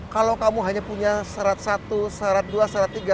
kalau kamu hanya punya syarat satu syarat dua syarat tiga